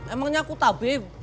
emang nyakuta beb